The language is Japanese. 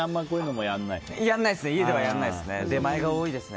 家ではやらないですね。